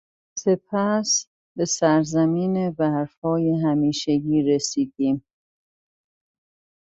سپس به سرزمین برفهای همیشگی رسیدیم.